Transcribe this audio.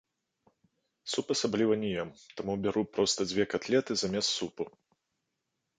Суп асабліва не ем, таму бяру проста дзве катлеты замест супу.